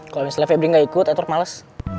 kalau misalnya febri gak ikut edward males